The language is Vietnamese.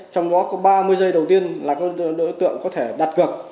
trong đó có ba mươi giây đầu tiên là các đối tượng có thể đặt cược